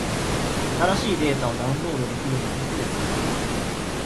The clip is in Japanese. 新しいデータをダウンロードできるのはいつですか？